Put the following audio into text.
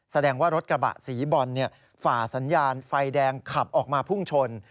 แสดงว่ารถกระบะสีบอลฝ่าสัญญาณไฟแดงขับออกมาพุ่งชน